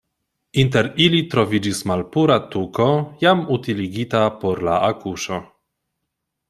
Inter ili troviĝis malpura tuko jam utiligita por la akuŝo.